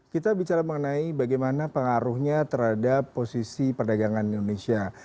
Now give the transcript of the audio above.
kita bicara mengenai bagaimana pengaruhnya terhadap posisi perdagangan indonesia